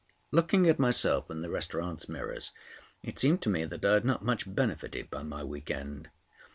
Looking at myself in the restaurant's mirrors, it seemed to me that I had not much benefited by my week end.